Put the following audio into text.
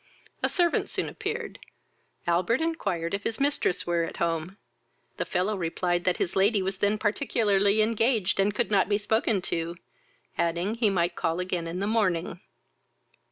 A servant soon appeared; Albert inquired if his mistress were at home. The fellow replied that his lady was then particularly engaged, and could not be spoken to, adding, he might call again in the morning.